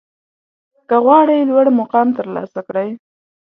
که غواړئ لوړ مقام ترلاسه کړئ